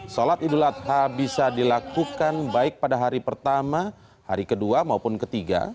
sholat idul adha bisa dilakukan baik pada hari pertama hari kedua maupun ketiga